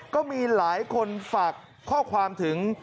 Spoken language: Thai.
ก็มีหลายคนฝากข้อความถึง